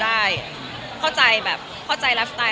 ก็เลยเอาข้าวเหนียวมะม่วงมาปากเทียน